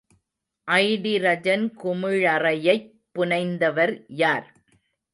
Hydrogen குமிழறையைப் புனைந்தவர் யார்?